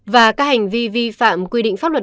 và các hành vi vi phạm quy định pháp luật